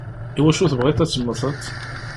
Iwacu tebɣiḍ ad temmteḍ?